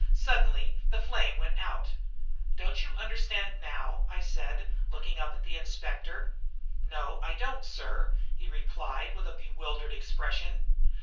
Suddenly the flame went out. "Don't you understand now?" I said, looking up at the Inspector. "No, I don't, sir," he replied with a bewildered expression.